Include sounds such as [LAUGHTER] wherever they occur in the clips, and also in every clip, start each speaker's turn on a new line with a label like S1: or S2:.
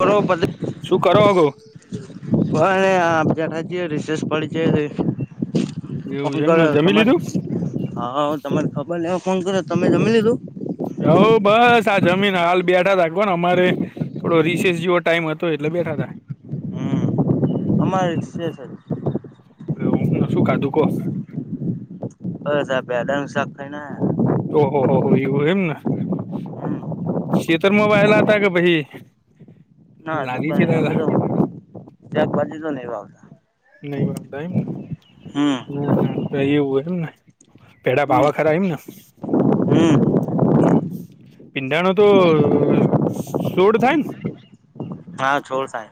S1: કરવપદલ
S2: શું કરો હગો
S1: બ આપજ રાજજ રિશેષ પડી છે [INAUDIBLE] ફોન
S2: એવું છે એમને
S1: કર્યો
S2: જમી
S1: તમારે
S2: લીધું
S1: હા તમારે ખબર ન હ ફોન કર્યો તમે જમી લીધું.
S2: હવ બસ આ જમીન હાલ બેઠા રાખો ને અમારે. થોડો રિસેસ જેવો ટાઈમ હતો એટલે બેઠા થા.
S1: અમારે છે છે.
S2: ર હમ શું કાધુંકો.
S1: બસ આ ભેંડા નું શાખ ખઈ ને આયા.
S2: ઓહ હો હો એવું એમ ને. ખેતરમાં બેયેલા હતા કે પહિ
S1: ના દુક અમે તો શાકભાજી તો ન આવતા
S2: નહી વાંધંધા એમને અને એવું એમ ને ત્ન ભીંડા
S1: હમ
S2: ભાવક
S1: હમ
S2: હમ પીંડાણો તો સોડ થાય ને
S1: હા છોર સાહે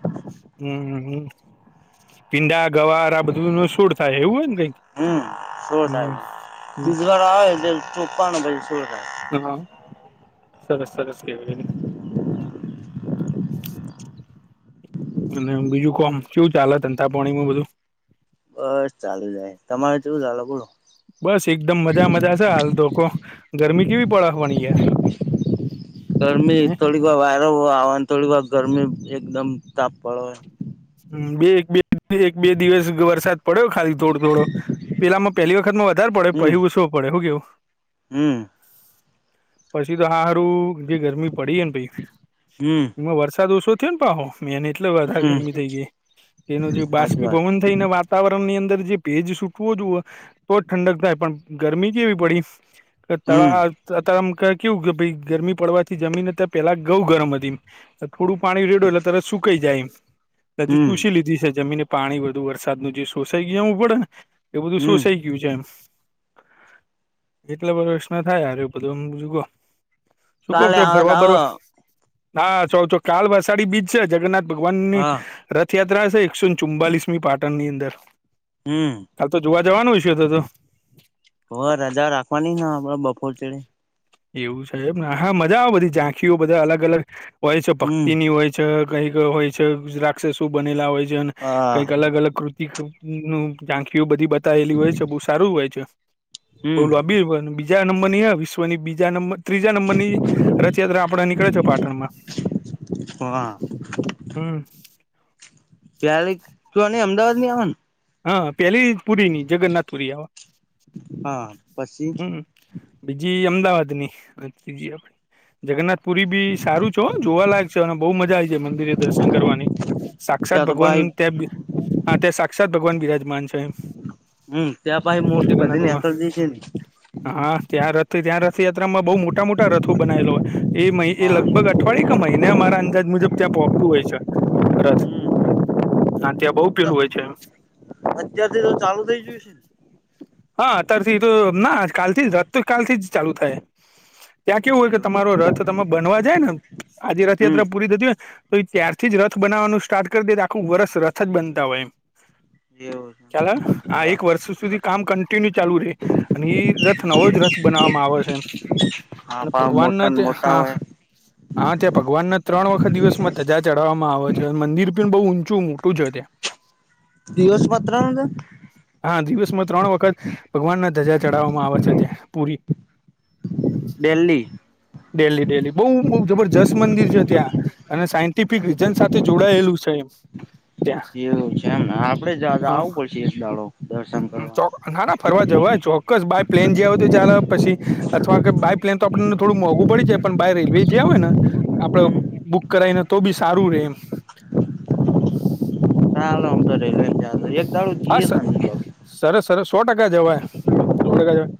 S2: હમ હમ પીડા ગવાર આ બધું ન શૂડ થાય એવું હોય ને કંઈક
S1: હમ શો થાય છે બીજવાર આવે એટરોપવાના ને પછીછોડ થાય
S2: હા સરસ સરસ કેવી અને બીજું કોમ શું ચાલેધંધાપણીમાં બધું
S1: બસ ચાલુ જાય તમારે તોવું ચાલ બોરું
S2: બસ એકદમ મજા મજા છે હાલ ધ ગરમી કેવી પડવાની ય
S1: ગરમી થોડીક વાર વાયરો આવવાને થોડી વાર ગરમી એકદમ તાપ પડોય
S2: બે એક બે એક બે દિવસ વરસાદ પડ્યો ખાલી થોડો થોડો પેલામાં પહેલી વખતમાં વધારે પડે
S1: હમ
S2: પહીછવું પડે હું કેવું
S1: હમ
S2: પછી તો હારું જે ગરમી પડી ને ભાઈ
S1: હમ
S2: એમાં વરસાદ ઓછો થયો ને પહો મેંને એટલે વધારે
S1: હમ
S2: ગરમી થ ગઈ એનું જે
S1: સાચી વાત
S2: બાષ્પીભવન થઈને વાતાવરણ ની અંદર જે ભેજ સુૂટવો જોુવ તો જ ઠંડક થાય પણ ગરમી કેવી પડી કે
S1: હમ
S2: તળાવ અત્યારે આમ કેવું કે ભાઈ ગરમી પડવાથી જમીને ત પેલા ગઉ ગરમ હતી થોડું પાણી રેડું એટલે ત્યારે સુકાઈ જાય એમ હજી
S1: હમ
S2: ચૂસી લીધી છે જમીને પાણી બધુ વરસાદનું જે સોસાઈ ગ જવું પડે ને એ બધું
S1: હમ
S2: સોસાઈય કું છે એમ કેટલા વર્ષ ના થાય અરે બધુંમુગ શું કહ
S1: કાલે
S2: છો
S1: આવે તો
S2: ફરવા
S1: આવો
S2: બરવા ના સો તોો કાલ વસાડી બીજ છે જગન્નાથ ભગવાન
S1: હા
S2: રથયાત્રા છે એકસો ચુમ્બાલીસમી પાટણની અંદર
S1: હમ
S2: કાલ તો જોવા જવાનું છે તો તો
S1: ઓ રાજા રાખવા નઈ આપડે બપોર ચડે
S2: એવું સાહેબ ને હા મજા આવે બધી ઝાંખીઓ બધા અલગ અલગ હોય છે
S1: હમ
S2: ભક્તિની હોય છે છે કંઈક હોય છે ગુજ્રાક્ષ શું બનેલા હોય છે અને
S1: હા
S2: કંઈક અલગ અલગ કૃત નું ઝાંખીઓ બધી બતાયલી હોય છે બહુ સારું હોય છે
S1: હમ
S2: બભી હો બું બીજ નંબરની હ વિશ્વની બીજા નંબર ત્રીજા નંબરની રથયાત્રા આપડા નીકળે છે પાટણમાં
S1: હા
S2: હમ
S1: ત્યારે ક ન અમદાવાદ ની આવવાનું
S2: હા પેલી પુરી ની જગન્નાથ પુરી આવા
S1: હા પછી
S2: હમ બીજી અમદાવાદ ની ત્રીજી આપડી જગન્નાથ પુરી બી સારું છો જોવાલાયક છે અને બહુ મજા આવી જાય મંદિરે દર્શન કરવાની સાક્ષાત
S1: ત્યાં તો
S2: ભગવાન
S1: પાહી
S2: હા ત્યાં સાક્ષાત ભગવાન બિરાજમાન છે
S1: હમ ત પા મોટી
S2: જગન્નાથ ભગવાન
S1: પધનીલ શ છે
S2: હા ત્યાં રથ ત્યાં રથયાત્રામાં બહુ મોટા મોટા રથો બનાયલા હોય એિ એ
S1: હા
S2: લગભગ
S1: હમ
S2: અઠવાડિ ક મહિને મારા અંદાજ મુજબ ત્યાં પહોચતું હોય છે રથ હ ત્યાં બઉુ પેલું હોય છે
S1: અત્યારથી તો ચાલુ થઈ જોયું છે ને
S2: હા અત્યારથી તો ના કાલથી રાત કાલથી જ ચાલુ થાય ત્યાં કેવું હોય કે
S1: એવું
S2: તમારો રથ તમે બનવા જાય ને આજે
S1: હમ
S2: રથયાત્રા પૂરી થતી હોય તો એ ત્યારથી જ રથ બનાવવાનું સ્ટાર્ટ કરી દે તો આખું વરષ રથ જ બનતા હોય એમ
S1: એવું
S2: ચાલ
S1: છે
S2: હા એક વર્ષ સુધી કામ કન્ટિન્યુ ચાલુ રે ની રથ નવો જ રથ બનાવવામાં આવે છે એ અને
S1: હા મોટા
S2: ભગવાનના
S1: ને
S2: તે
S1: મોટા
S2: હા હમ
S1: હોય
S2: હા ત્યાં ભગવાન ના ત્રણ વખત દિવસમાં ધજા ચડાવવામાં આવે છે અને મંદિર પણી બહુ ઊંચું મોટું છે ત્યાં
S1: દિવસ પત્ર ન તો
S2: હા દિવસમાં ત્રણ વખત ભગવાન ના ધજા ચડાવવામાં આવે છે ત્યાં પૂરી
S1: દિલ્હી
S2: ડેલી ડેલી બહુ જબરજસ્ત મંદિર છે ત્યાં અને સાયન્ટિફિક રીઝન સાથે જોડાયેલું છે એમ
S1: એવું છે એમને આપડે જ આવું પડશે એક દાડો દર્શન કરવા
S2: ો ના ના ફરવા જવા ચોક્કસ બાય પ્લેન જ આવ તો ચલે પછી અથવા બાય પ્લેન તો આપણને થોડું મોંઘું પડી જાય પણ બાય રેલવે જે હોય ને આપડે બુક કરાઈને તો બી સારું રે એમ
S1: ચાલો આમ તો રે લ જ એક તાડું
S2: હા
S1: જીએ
S2: સર
S1: સા
S2: સરસ સરસ સો ટકા જવાય રોડ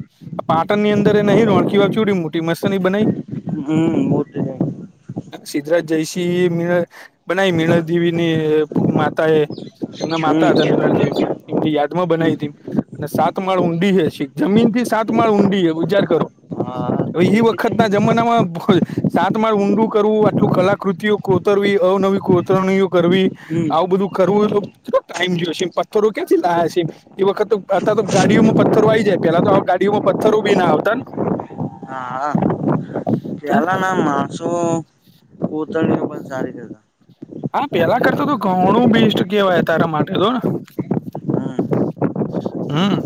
S2: પાટણ ની અંદર એ નહી રોણખી વા મોટી મસ્તની બનાઈ
S1: હમ બહુ
S2: સિદ્રાજ જયશ્રી મી બનાવી મીળ દેવી ની માતા એ એમના મા
S1: હમ
S2: એમની યાદ માં
S1: હમ
S2: બનાવી હતી. અને સાત માળ ઊંડી હે શીખ જમીન થી સાત માળ ઊંડી હે વિચાર કરો.
S1: હા
S2: હવે એ
S1: દેખે છે
S2: વખત ના જમાના માં ખો સાતમાળ ઊંડું કરવું આટલું કલાકૃતિઓ કોતરવી અવનવી કોતરણીઓ કરવી
S1: હમ
S2: આવું બધું કરવું ટાઈમ જોયો છે પથ્થરો ક્યાંથી લા છે એ વખત તો તો ગાડીઓમાં પથ્થરો આ આવી જાય પેલા તો આ ગાડીઓમાં પથ્થરો બી ના આવતા ને
S1: હા પેલા ના માણસો પોતણીઓ પણ સારી રતા
S2: હા પેલા કરતા તો ઘણું બેસ્ટ કેવાય તારા માટે તો ને
S1: હમ
S2: હમ્મ.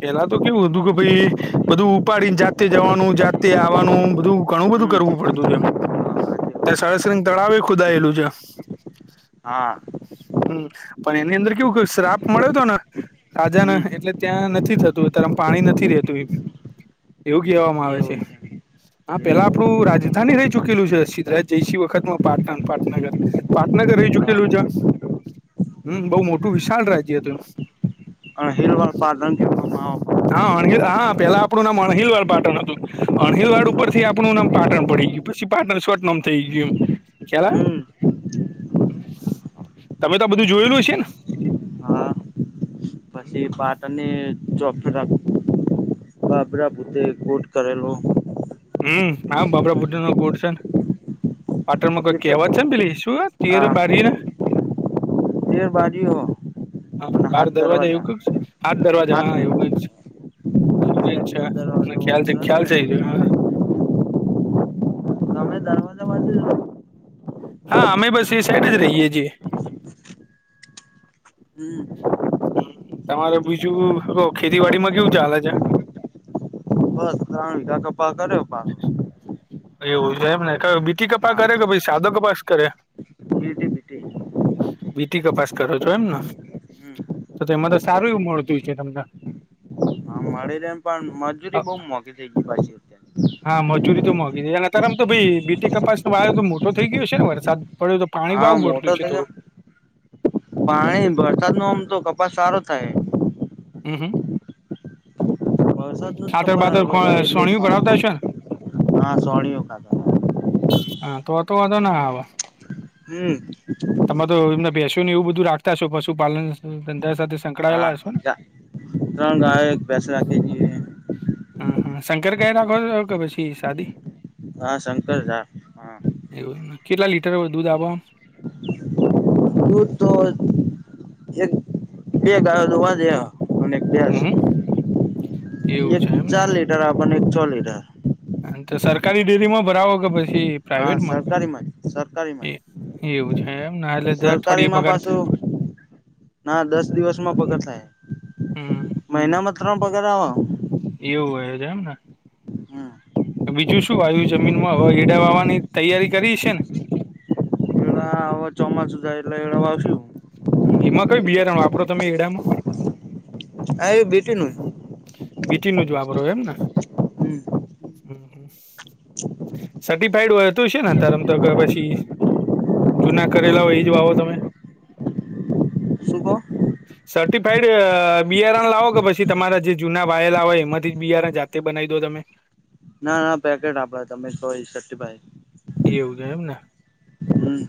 S2: પેલા તો કેવું હતું કે ભાઈ બધું ઉપાડીને જાતે જવાનું જાતે આવવાનું બધું ઘણું બધું
S1: હમ
S2: કરવું પડતું છે એમ. તાર સરસંગ તળાવે ખુદાયેલું છે
S1: હા.
S2: હમ્મ પણ એની અંદર કેવું શ્રાપ મળ્યો હતો ને રાજાને
S1: હમ
S2: એટલે ત્યાં નથી થતું ત્યારે પાણી નથી રેતુ એ એવું કહેવામાં આવે છે હા પેલા
S1: એવું
S2: આપણું રાજધાની રહી ચુકેલું સિદ્ધરાજ જયસિંહ વખત પાટણ પાટનગર પાટનગર રહી
S1: હા
S2: ચુકેલું છે હમ્મ બહુ મોટું વિશાળ રાજ્ય હતું
S1: અણહિલ વાળ પાટણ કહેવામાં આવે.
S2: હા અણહિલ હા પેલા આપણું નામ અણહિલવાલ પાટણ હતું. અણહિલવાડ ઉપર થી આપણું નામ પાટણ પડી ગયું પછી પાટણ શોર્ટ નામ થઈ ગયું એમ ખ્યાલ આયો
S1: હમ.
S2: તમે તો આ બધું જોયેલું હશે ને
S1: હા પછી પાટણને ચોફેર આમ બાબરા ભૂતે કોટ કરેલો
S2: હે હા બાપરા ભુટે નો કોટ છે ન પાટણમાં કોઈ કેવત છે પેલી શું તીરઅ
S1: આ
S2: બારીના
S1: તેર બારીઓ હ
S2: હા બાર દરવાજા એવું કક છે હા જ દરવાજા
S1: હાથ
S2: હા એવું
S1: બે
S2: કક છે એવું કઈક અચ્છા મને
S1: દરવાજો
S2: ખ્યાલ છે ખ્યાલ છે
S1: બધા
S2: ઈ જો હા
S1: તમે [UNINTELLIGIBLE]
S2: હા અમે બસ એ સાઈડ જ રહીએ છીએ
S1: [INAUDIBLE]
S2: તમારે બીજું હમ્મ ખેતીવાડી માં કેવું ચાલે છે.
S1: બસ ત્રણ વીઘા કપા કર્યો પા
S2: એવું છે એમ ને કયો બીટી કપાસ કયો કે ભઈ સાદો કપાસ કરયા
S1: કેટી બેટી
S2: બીટી કપાસ કરો છો એમને.
S1: હમ
S2: તો તો એમાં તો સારું એવું મળતું હશે તમન
S1: હા મળી રે પણ મજૂરી બહુ મોંઘી થઈ ગઈ પાછી અત્યારે
S2: હા મજૂરી તો મોંધી થઈ અને અત્યારે આમ તો ભઈ તો ભાઈ બીટી કપાસ ન વાયો તો મોટો થઈ ગયો છે ને વરસાદ પડ્યો તો પાણી
S1: હા
S2: પાવું પડતું
S1: મોટો
S2: હશે
S1: થઈ ગયો
S2: થોડું
S1: પાણી વરસાદ નો આમ તો કપાસ સારો થાય
S2: હમ્મ હમ્મ.
S1: વરસાદ નું જ કપા વાવવાય એટલે સારો
S2: ભરાવતા હશો ને
S1: થાય હા સાનિયુ ખાતર
S2: હા તો તો વાંધો ના આવે
S1: હમ્મ.
S2: તમારે તો એમને ભેસો ને એવું બધું રાખતા હશો પશુપાલન ધંધા સાથે
S1: હા
S2: સંકળાયેલા હશો ને
S1: ત્રણ ગાયો એક ભેંસ રાખે છે એ
S2: હમ્મ હમ્મ શંકર ગાય રાખો છો કે પછી શાદી
S1: હા શંકર ઝા હા [UNINTELLIGIBLE]
S2: એવું કેટલા લીટર દૂધ આપવનું?
S1: દૂધ તો એક બે ગાયો જોવા જયા અને યસ
S2: હમ હમ એવું
S1: એક
S2: છે એમને
S1: ચાર લીટર આપે ને એક છ લીટર
S2: તો સરકારી ડેરીમાં ભરાવો કે પછી
S1: હા
S2: પ્રાઈવેટમાં
S1: સરકારી માં જ સરકારી માં
S2: એ
S1: જ
S2: એવું છે એમ ને એટલે દર અઠવાડિયે
S1: સરકારીમાં
S2: પગાર થાય
S1: પાછું ના દસ દિવસમાં પગાર થાય
S2: હમ
S1: મહિનામાં ત્રણ પગાર આવ હ
S2: એવું હોય છે એમ ને
S1: હમ
S2: બીજું શું વાયુ જમીનમાં હવા એડાવાવાની તૈયારી કરી છે ને
S1: એડા હવે ચોમાસું જાય એટલે એરંડા વાવશું
S2: એમાં કઈ બિયારણ વાપરો તમે એડામાં
S1: હા એ બેટી નું.
S2: બીટી નું જ વાપરો એમને સર્ટિફાઈડ હોય તું છે ને તમ તો પછી જુના
S1: હ
S2: કરેલા હોય એ જ વાવો તમે
S1: શુંભો [UNINTELLIGIBLE]
S2: સર્ટિફાઈડ અ બિયારણ લાવો કે પછી તમારા જે જૂના વાયેલા હોય એમાંથી જ બિયારણ જાતે બનાવી દો તમે?
S1: ના ના પેકેટ આપડા તમને સોરી સેટી ભાઈ
S2: એવું છે એમ ને
S1: હમ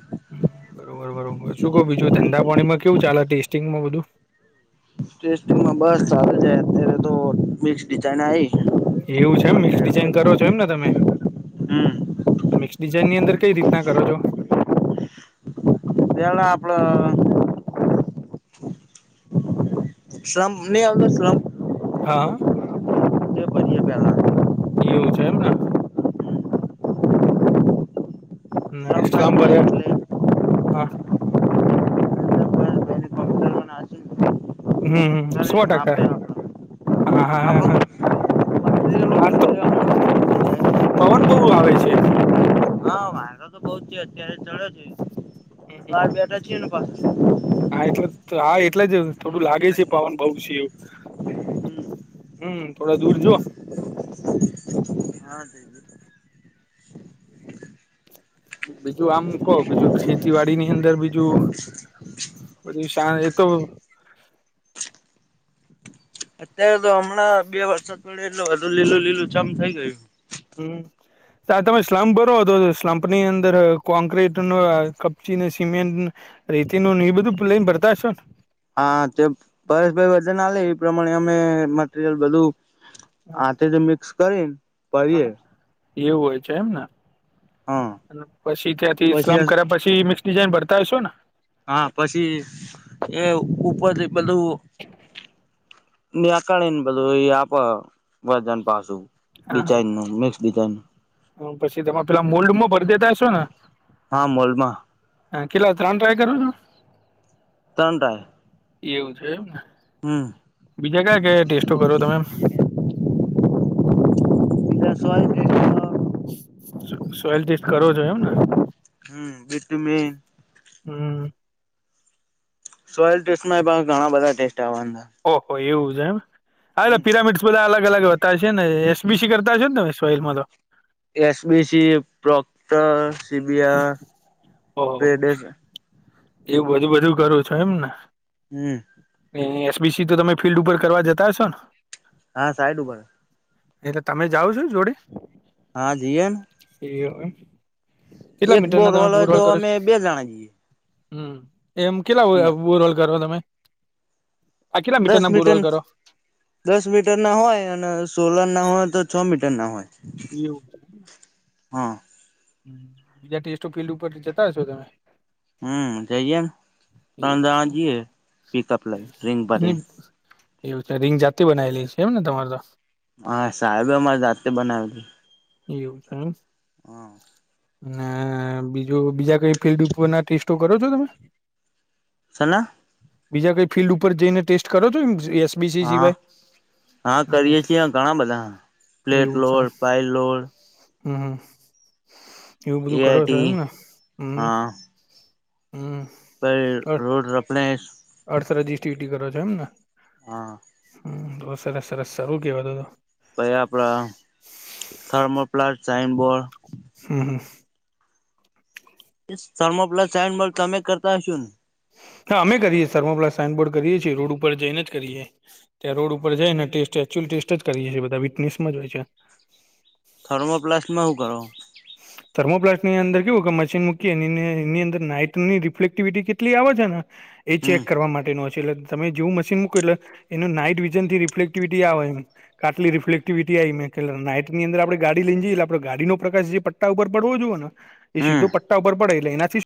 S2: બરોબર બરોબર શું કહો બીજું ધંધા પાણીમાં કેવું ચાલે ટેસ્ટિંગમાં બધું.
S1: ટેસ્ટમાં બસ સ છે અત્યારે તો મિક્સ ડિઝાઇન આવી
S2: એવું છે એમ મિક્સ
S1: મટીરિયલ
S2: ડિઝઇન કરો છો એમ
S1: પર
S2: ને તમે
S1: હમ
S2: મિક્સ ડિઝાઈનની અંદર કઈ રીતના કરો છો?
S1: એના આપણે શ્રમ નહી આવનો શ્રમ
S2: હા આ.
S1: [UNINTELLIGIBLE]
S2: એવું છે એમને.
S1: સ્લમ્પ
S2: ઇલામ
S1: આઈ જાય એટલે
S2: બર્યા હ
S1: આપે
S2: હમ સો ટકા
S1: આપડે
S2: હા હા હ હા. આજ તો પવન બહ આવે છે.
S1: બહ જ છે અત્યારે ચડ છે.
S2: હમ હમ
S1: બહાર બેઠા
S2: હ
S1: છીએ ને પાછા
S2: હા એટલે હા એટલે જ થોડું લાગે છે પવન બઉ છે એવું હમ થોડા દૂર જો
S1: હા જઈ
S2: બીજું આમ કહો બીજું ખેતીવાડી ની અંદર બીજું બછી શા તો
S1: અત્યારે તો હમણાં બે વર્ષો થડીે એટલું બધું લીલું લીલું જમ થઈ ગયું.
S2: હમ. ત તમે સ્લમપ ભરો તો સ્લમપ ની અંદર કોંક્રીટ ન કપચીને સિમેન્ટ રીતિ નું એ બધું લઈને ભરતા હશો ને?
S1: હા તે પરેશભાઈ વજન લે એ પ્રમાણે અમે મટરિયલ બધું
S2: ને
S1: આથી જ મિક્સ કરીને પએ
S2: હા
S1: [UNINTELLIGIBLE]
S2: એવું હોય છે એમ ને પછી ત્યાંથી સ્લમ કર્યા પછી મિક્સ ડિઝાઇન ભરતા હોયશો ને
S1: હા પછી એ ઉપર બધું નેકાને બધું એ આપો વજન પાછું
S2: હા હા
S1: ડિઝઇન નું મિક્સ ડિઝાઇન
S2: પછી તમે પેલા મોલ્ડમાં ભરી દેતા હશો ને?
S1: હા મોલમાં.
S2: હા કટલા ત્રણ ટ્રાય કરો છો.
S1: ત્રન્ટાય-
S2: એવું છે એમને.
S1: હમ.
S2: બીજા ક્યા ક ટેસ્ટો કરો તમેમ
S1: એસોય
S2: સોલ કરો જોો એમને
S1: હમ બું મેન
S2: હમ
S1: સોયલ ટેસ્ટ ઘણા બધા ટેસ્ટ આવવા
S2: ઓહ એવું છે એમ હ એટ પિરામિડ બધા અલગ અલગ હતાતા હ છે ને એસબીસી કરતા હશે ને તમે સોલમાં તો
S1: એસબીસી પ્રો્ટ
S2: ઓહો
S1: સીબીઆઈડ
S2: એવું બધું બધું કરું છો એમને
S1: હમ
S2: એસબીસી તો તમે ફિલ્ડ ઉપર કરવા જતા હશો ને
S1: હા સાઈડ ઉપ ઉપર
S2: એટલે તમે જાાવ છો જોડી
S1: હા જીએમ
S2: એ એમ કેટલા મિટરના તમે બૂરવાળ કરો છો
S1: જાણા જઈએ
S2: હમ એમ કેટલા
S1: અને
S2: બો રોલ કરો તમે આ કેટલા
S1: દસ
S2: મીટરના
S1: મિટ
S2: બોરહોલ કરો
S1: દસ મીટર ના હોય અને સોલર ના હોય તો છ મીટર ના હોય
S2: એવું
S1: હા
S2: બીજા ટેસ્ટો ફિલ્ડ ઉપર જતા હશો તમે
S1: હમ જઈે ને ત
S2: એવું
S1: અંદર
S2: છે
S1: આ જે પિકઅપ લઈ રિંગ બ રિંગ
S2: એની એવું છે રિંગ જાતે બનાવી લે છે એમ ને તમારે તો
S1: હા સાહેબેમાં જાતે બનાવેલી
S2: એવું છે એમ
S1: હા
S2: અને બીજું બીજા કઈ ફિલ્ડ ઉપરના ટેસ્ટો કરો છો તમે?
S1: છેને
S2: બીજા કઈ ફિલ્ડ ઉપર જઈને ટેસ્ટ કરો એમસી બીસી
S1: હા
S2: સિવાય
S1: હા કરીએ છીએ
S2: હમ એવું છે
S1: ખલોડ [UNINTELLIGIBLE]
S2: હમ એવું બધું કરો છો
S1: એઆઈટી
S2: એમને હમ
S1: હા
S2: હમ
S1: પર રોડ રપણે [UNINTELLIGIBLE]
S2: અર્થર જીસીટી કરો છો એમને
S1: હા
S2: હ તો સરસ સરસ સારું કેવા તો તો
S1: પછી આપડા થર્મોપ્લાટ સાઇન બોર્ડ
S2: હમ હમ [INAUDIBLE]
S1: થર્મોપ્લાસ્ટ સાઈન બોર્ડ તમે કરતા હશો?
S2: હા અમે કરીએ થર્મોપ્લાસ્ટ સાઈનબોર્ડ કરીએ છીએ રોડ ઉપર જઈને જ કરીએ ત્યાં રોડ ઉપર જાય ને ટેસ્ટ એકક્ચુઅલ ટેસ્ટ જ કરી જાય છે બધા વિટનેસમાં જ હોય છે.
S1: થર્મોપ્લાસ્ટમાં શું કરો?
S2: થર્મોપ્લાસ્ટની અંદર કેવું મશીન મુકી એ એની અંદર નાઇટની રિફ્લેક્ટિવિટી કે ટલી આવે છે ને એ
S1: હમ
S2: ચેક કરવા માટેનો એટલે તમે જેવું મશીન મુકો એટલે એનું નાઈટ વિઝન થી રિફ્લેક્ટિવિટી આવે એમ આટલી રિફ્ક્ટિવિટી આ નાઇટની અંદર આપણે ગાડી લઈને જઈએ આપણે ગાડીનો પ્રકાશએ પટ્ટા ઉપર પડોવુ જોએને એ
S1: હમ
S2: સીધો પટ્ટા ઉપર પડે એટલે એનાથીજ